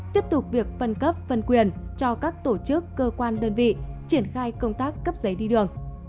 tiếp tục việc phân cấp phân quyền cho các tổ chức cơ quan đơn vị triển khai công tác cấp giấy đi đường